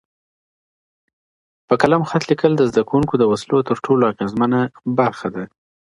په قلم خط لیکل د زده کوونکو د وسلو تر ټولو اغیزمنه برخه ده.